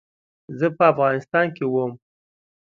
زه په افغانستان کې وم.